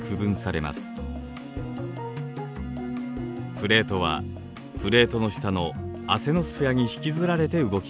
プレートはプレートの下のアセノスフェアに引きずられて動きます。